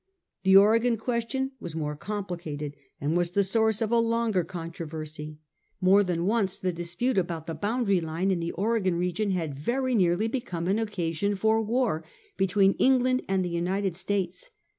•The Oregon question was more complicated, and was the source of a longer controversy. More than once the dispute about the boundary line in the Oregon region had very nearly become an occasion for war between England and the United States.